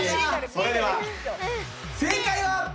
それでは正解は！